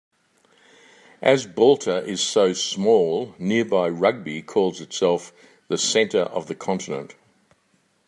As Balta is so small, nearby Rugby calls itself the center of the continent.